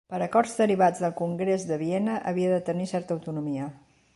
Per acords derivats del Congrés de Viena havia de tenir certa autonomia.